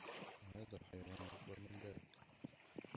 .هذا الحيوان أكبر من ذاك